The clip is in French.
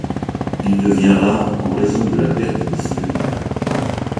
Il devient rare en raison de la perte de son habitat.